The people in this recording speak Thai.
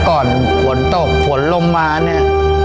ก่อนฝนตกฝนลมมาเนี่ย